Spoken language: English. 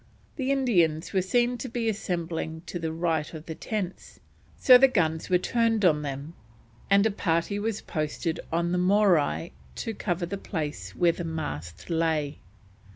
The Indians were seen to be assembling to the right of the tents, so the guns were turned on them, and a party was posted on the Morai to cover the place where the mast lay.